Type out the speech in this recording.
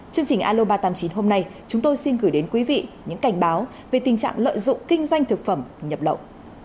chương trình aloba tám mươi chín hôm nay chúng tôi xin gửi đến quý vị những cảnh báo về tình trạng lợi dụng kinh doanh thực phẩm nhập lậu